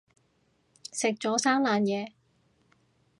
食咗生冷嘢